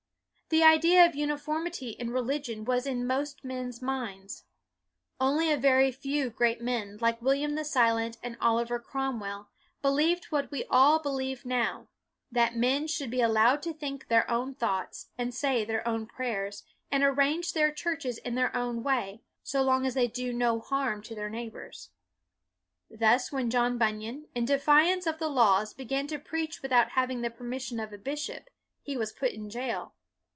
The idea of uniformity in religion was in most men's minds. Only a very few great men, like William the Silent and Oliver Cromwell, believed what we all believe now, that men should be allowed to think their own thoughts, and say their own prayers, and arrange their churches in their own way, so long as they do no harm to their neighbors. Thus when John Bunyan, in defiance of the laws, began to preach without having the permission of a bishop, he was put in jail.